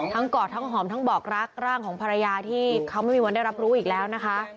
กอดทั้งหอมทั้งบอกรักร่างของภรรยาที่เขาไม่มีวันได้รับรู้อีกแล้วนะคะ